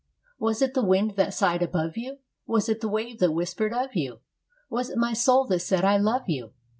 Was it the wind that sighed above you? Was it the wave that whispered of you? Was it my soul that said, "I love you"?